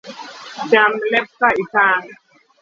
Cham lep ka itang’